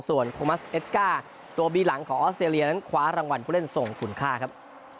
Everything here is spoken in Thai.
ส่วนโคมัสเอสก้าตัวบีหลังของออสเตรเลียนั้นคว้ารางวัลผู้เล่นส่งคุณค่าครับ